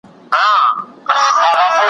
سیلۍ به وړی رژولی یمه `